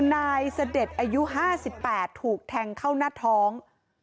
นายเสด็จอายุ๕๘ถูกแทงเข้าหน้าท้อง